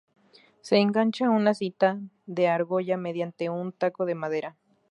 Se engancha una cinta de su argolla mediante un 'taco' de madera'.